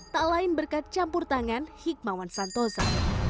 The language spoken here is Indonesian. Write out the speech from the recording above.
tak lain berkat campur tangan hikmawan santosa